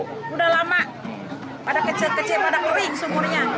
sudah lama pada kecil kecil pada kering sumurnya